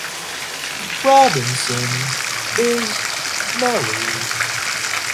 Robinson is married.